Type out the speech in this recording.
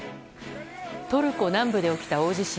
トルコ南部で起きた大地震。